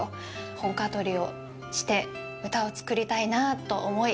本歌取りをして歌を作りたいなと思い